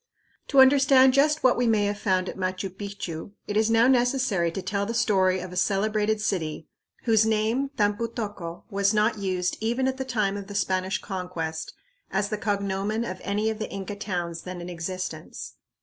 To understand just what we may have found at Machu Picchu it is now necessary to tell the story of a celebrated city, whose name, Tampu tocco, was not used even at the time of the Spanish Conquest as the cognomen of any of the Inca towns then in existence.